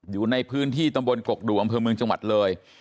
อยู่ในพื้นที่ตำบลกกดูอำเภอเมืองจังหวัดเลย